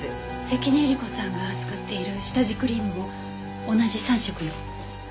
関根えり子さんが使っている下地クリームも同じ３色よ。